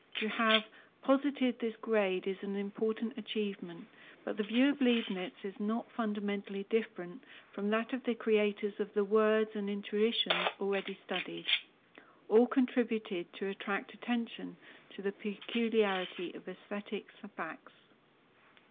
To have posited this grade is an important achievement, but the view of Leibnitz is not fundamentally different from that of the creators of the words and intuitions already studied. All contributed to attract attention to the peculiarity of aesthetic facts.